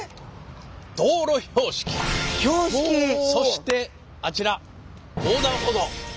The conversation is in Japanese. そしてあちら横断歩道！